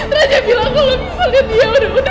raja bilang kalau misalnya dia udah udah